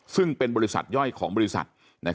ซึ่งเป็นบริษัทย่อยของบริษัท